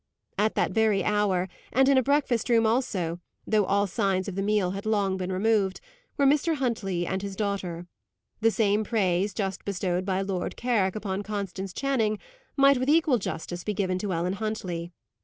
At that very hour, and in a breakfast room also though all signs of the meal had long been removed were Mr. Huntley and his daughter. The same praise, just bestowed by Lord Carrick upon Constance Channing, might with equal justice be given to Ellen Huntley.